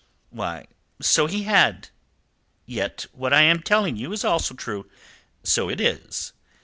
"Why, so he had. Yet what I am telling you is also true, so it is.